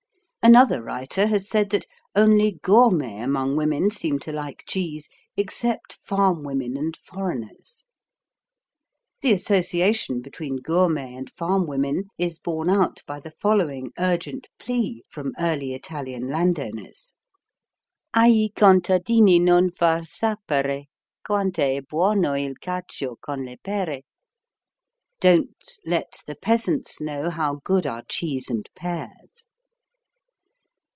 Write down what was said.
Another writer has said that "only gourmets among women seem to like cheese, except farm women and foreigners." The association between gourmets and farm women is borne out by the following urgent plea from early Italian landowners: Ai contadini non far sapere Quanta è buono it cacio con le pere. Don't let the peasants know How good are cheese and pears.